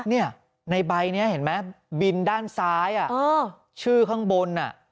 ในใบนี้เห็นไหมบินด้านซ้ายชื่อข้างบนอ่ะ